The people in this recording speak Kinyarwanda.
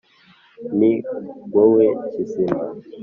Ni wowe Kizima